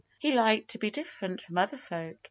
He liked to be different from other folk.